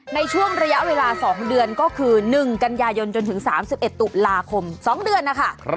ในช่วงระยะเวลา๒เดือนก็คือ๑กันยายนจนถึง๓๑ตุลาคม๒เดือนนะคะ